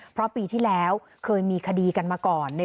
เพราะปีที่แล้วเคยมีคดีกันมาก่อน